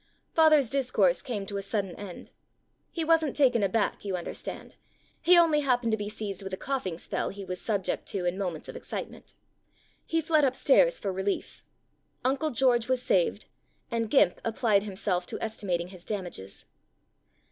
Father's discourse came to a sudden end. He wasn't taken aback, you understand; he only happened to be seized with a coughing spell he was subject to in moments of excitement. He fled upstairs for relief. Uncle George was saved, and "Gimp" applied himself to estimating his damages.